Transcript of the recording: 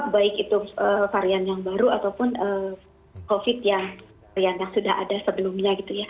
baik itu varian yang baru ataupun covid sembilan belas yang sudah ada sebelumnya